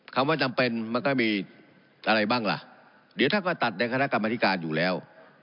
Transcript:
คำว่าจำเป็นมันก็มีอะไรบ้างล่ะเดี๋ยวท่านก็ตัดในคณะกรรมธิการอยู่แล้ว